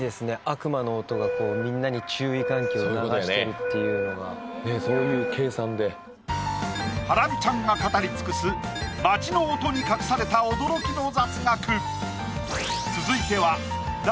悪魔の音がこうみんなに注意喚起を促してるっていうのがねっそういう計算でハラミちゃんが語り尽くす街の音に隠された驚きの雑学！